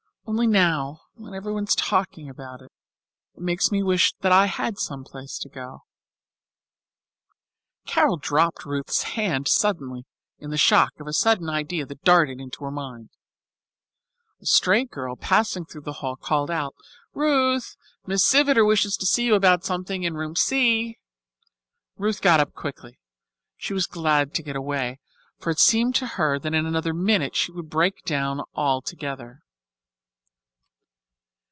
Only now, when everyone is talking about it, it makes me wish that I had some place to go." Carol dropped Ruth's hand suddenly in the shock of a sudden idea that darted into her mind. A stray girl passing through the hall called out, "Ruth, Miss Siviter wishes to see you about something in Room C." Ruth got up quickly. She was glad to get away, for it seemed to her that in another minute she would break down altogether.